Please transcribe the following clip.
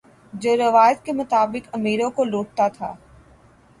جو روایت کے مطابق امیروں کو لوٹتا تھا